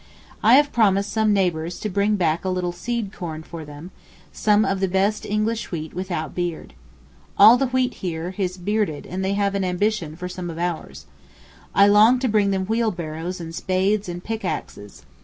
I have promised some neighbours to bring back a little seed corn for them, some of the best English wheat without beard. All the wheat here is bearded and they have an ambition for some of ours. I long to bring them wheelbarrows and spades and pickaxes.